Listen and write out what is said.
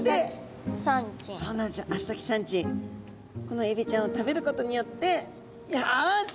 このエビちゃんを食べることによってよし！